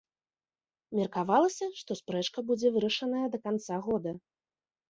Меркавалася, што спрэчка будзе вырашаная да канца года.